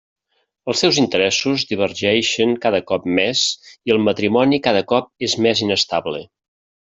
Els seus interessos divergeixen cada cop més i el matrimoni cada cop és més inestable.